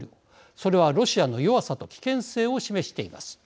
それはロシアの弱さと危険性を示しています。